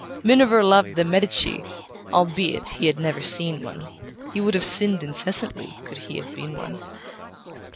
Miniver loved the Medici, Albeit he had never seen one; He would have sinned incessantly Could he have been one.